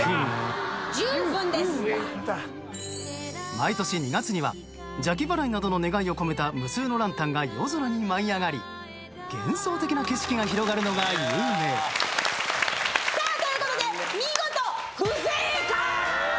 毎年２月には邪気払いなどの願いを込めた無数のランタンが夜空に舞い上がり幻想的な景色が広がるのが有名ということで見事。